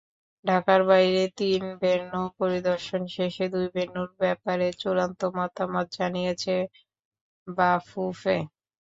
ঢাকার বাইরের তিন ভেন্যু পরিদর্শন শেষে দুটি ভেন্যুর ব্যাপারে চূড়ান্ত মতামত জানিয়েছে বাফুফে।